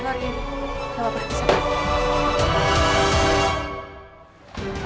gak apa apa kesana